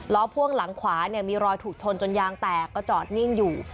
พ่วงหลังขวาเนี่ยมีรอยถูกชนจนยางแตกก็จอดนิ่งอยู่